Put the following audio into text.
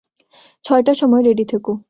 ছয়টার সময় রেডি থেকো।